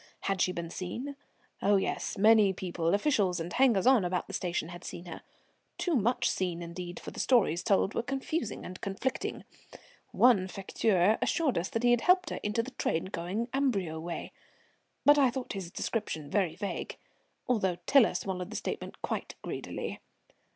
Had she been seen? Oh, yes, many people, officials, and hangers on about the station had seen her. Too much seen indeed, for the stories told were confusing and conflicting. One facteur assured us he had helped her into the train going Amberieu way, but I thought his description very vague, although Tiler swallowed the statement quite greedily.